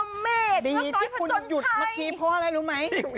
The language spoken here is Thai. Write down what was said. เหงือกน้อยผจญภัยดีที่คุณหยุดเมื่อกี้เพราะอะไรรู้ไหม